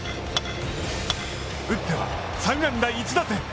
打っては３安打１打点。